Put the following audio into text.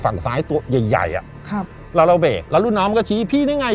ฝั่งซ้ายตัวใหญ่ใหญ่อ่ะครับแล้วเราเบรกแล้วรุ่นน้องก็ชี้พี่ได้ไง